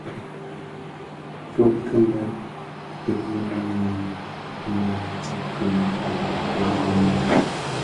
Tsoo kiňèn ki yin mi nnë tsèb ki kitöňèn ki yin mi.